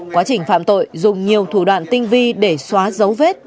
quá trình phạm tội dùng nhiều thủ đoạn tinh vi để xóa dấu vết